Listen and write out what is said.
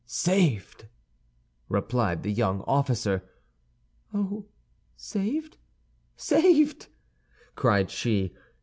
"Saved!" replied the young officer. "Oh, saved, saved!" cried she.